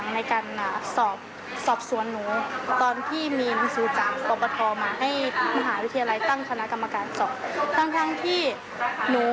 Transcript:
แล้วก็มีคำด่าคำว่าที่อาจารย์ว่าหนู